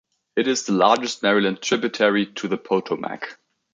It is the largest Maryland tributary to the Potomac.